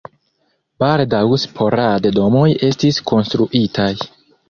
Baldaŭ sporade domoj estis konstruitaj.